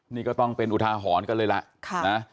นี่ก็ต้องเป็นอุทาหรณ์กันเลยล่ะนะ